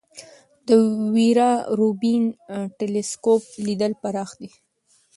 د ویرا روبین ټیلسکوپ لید پراخ دی.